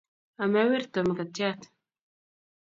Ame werto mkatiat